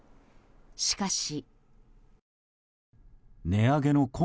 しかし。